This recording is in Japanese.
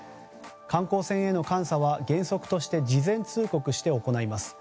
観光船への監査は原則として事前通告して行います。